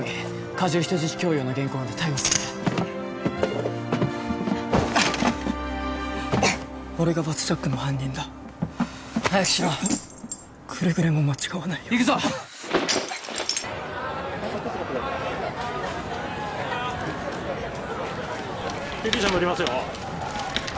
加重人質強要の現行犯で逮捕する俺がバスジャックの犯人だ早くしろくれぐれも間違わないように行くぞ救急車乗りますよ